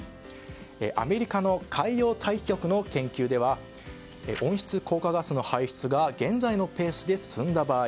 アメリカの海洋大気局の研究では温室効果ガスの排出が現在のペースで進んだ場合